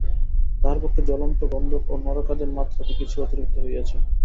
তাহার পক্ষে জ্বলন্ত গন্ধক ও নরকাদির মাত্রাটি কিছু অতিরিক্ত হইয়াছিল।